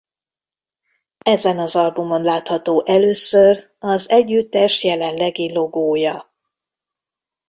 Ezen az albumon látható először az együttes jelenlegi logója.